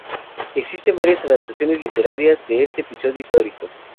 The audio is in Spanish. Existen varias adaptaciones literarias de este episodio histórico.